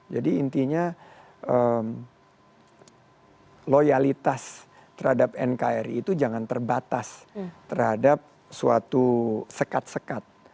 jadi intinya loyalitas terhadap nkri itu jangan terbatas terhadap suatu sekat sekat